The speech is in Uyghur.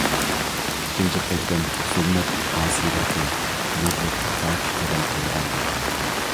ئىككىنچى قېتىم، زۇلمەتلىك ئاسىيلىقتىن نۇرلۇق ئىتائەتكە قەدەم قويغاندا.